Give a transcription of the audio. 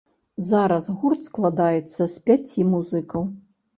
Зараз гурт складаецца з пяці музыкаў.